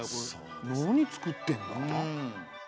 何作ってんだ？